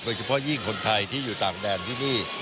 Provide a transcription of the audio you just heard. ยิ่งคนไทยที่อยู่ต่างแดนที่นี่